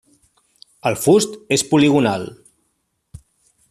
El fust és poligonal.